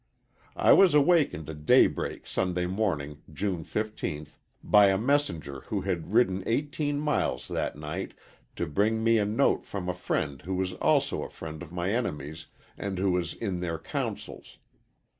"I was awakened at daybreak Sunday morning, June 15th, by a messenger who had ridden eighteen miles that night to bring me a note from a friend who was also a friend of my enemies and who was in their counsels.